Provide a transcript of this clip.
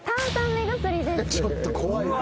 ちょっと怖いわ。